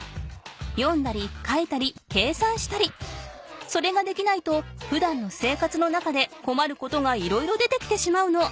読んだり書いたり計算したりそれができないとふだんの生活の中でこまることが色々出てきてしまうの。